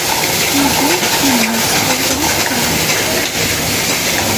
Yidir inehher s tɣawla akter.